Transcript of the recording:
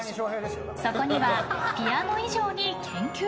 そこにはピアノ以上に研究？